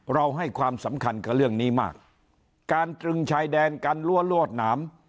ให้ความสำคัญกับเรื่องนี้มากการตรึงชายแดนการรั้วรวดหนาม